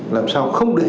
làm sao không để